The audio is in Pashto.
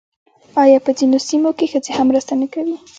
آیا په ځینو سیمو کې ښځې هم مرسته نه کوي؟